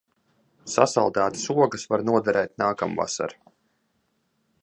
Sasaldētas ogas var noderēt nākamvasar.